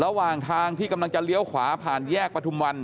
ระหว่างทางที่กำลังกันเหลี้ยวขวาผ่านแยกปศุมภัณฑ์